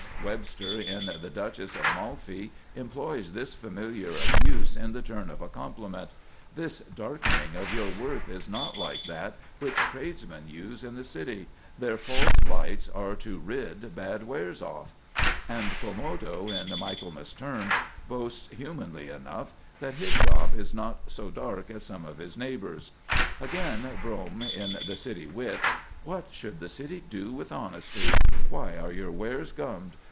Webster, in "The Duchess of Malfi," employs this familiar abuse in the turn of a compliment: "This darkening of your worth is not like that which tradesmen use in the city; their false lights are to rid bad wares off;" and Quomodo, in "Michaelmas Term," boasts, humanly enough, that his shop is not "so dark as some of his neighbors'." Again, Brome, in the "City Wit": "What should the city do with honesty? Why are your wares gummed?